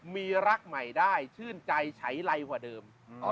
มีรักใหม่ได้ชื่นใจใช้ไรกว่าเดิม